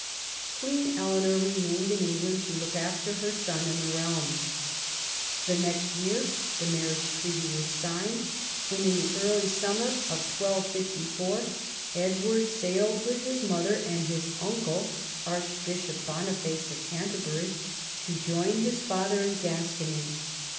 Queen Eleanor remained in England to look after her son and the realm. The next year the mar riage treaty was signed, and in the early summer of 1254 Edward sailed with his mother and his uncle, Archbishop Boniface of Canterbury, to join his father in Gascony.